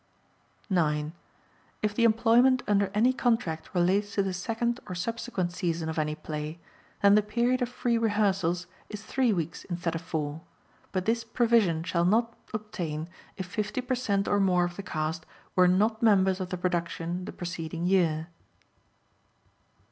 9. If the employment under any contract relates to the second or subsequent season of any play then the period of free rehearsals is three weeks instead of four, but this provision shall not obtain if 50 per cent or more of the cast were not members of the production the preceding year.